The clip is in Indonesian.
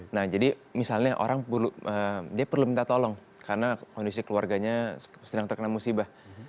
nah jadi misalnya orang dia perlu minta tolong karena kondisi keluarganya sedang terkena musibah